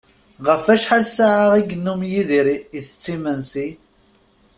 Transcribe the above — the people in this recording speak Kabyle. Ɣef wacḥal ssaɛa i yennum Yidir itett imensi?